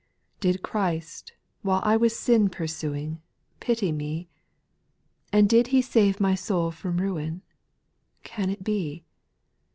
2. Did Christ, while I was sin pursuing. Pity me ? And did He save my soul from ruin ? Can it be